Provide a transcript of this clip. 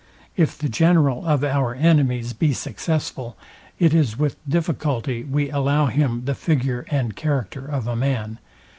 If the general of our enemies be successful, it is with difficulty we allow him the figure and character of a man.